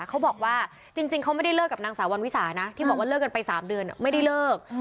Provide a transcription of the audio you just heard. เขาบอกว่าจริงเขาไม่ได้เลิกกับนางสาววันวิสานะที่บอกว่าเลิกกันไป๓เดือนไม่ได้เลิก